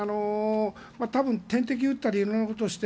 多分、点滴を打ったりいろいろことをして。